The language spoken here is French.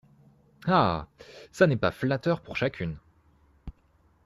Ah ! ça n’est pas flatteur pour chacune.